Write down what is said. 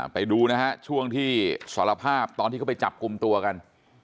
ไปดูนะฮะช่วงที่สารภาพตอนที่เขาไปจับกลุ่มตัวกัน